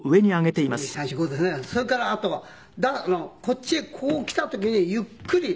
それからあとはこっちへこう来た時にゆっくり。